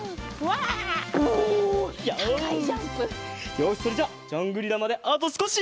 よしそれじゃあジャングリラまであとすこし！